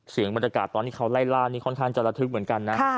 บรรยากาศตอนที่เขาไล่ล่านี่ค่อนข้างจะระทึกเหมือนกันนะ